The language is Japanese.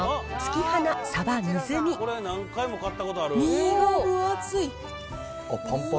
身が分厚い。